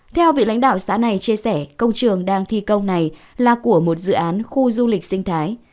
theo vị lãnh đạo xã này chia sẻ công trường đang thi công này là của một dự án khu du lịch sinh thái